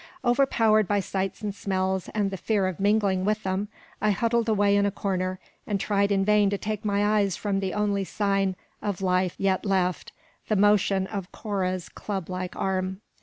Overpowered by sights and smells, and the fear of mingling with them, I huddled away in a corner, and tried in vain to take my eyes from the only sign of life yet left, the motion of Cora's club like arm.